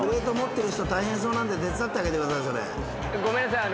ごめんなさい。